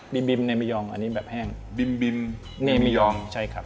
บิมบิมในเมยองอันนี้แบบแห้งบิมบิมในเมยองใช่ครับ